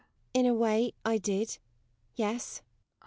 _] In a way I did yes.